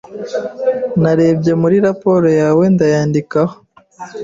Narebye muri raporo yawe ndayandikaho.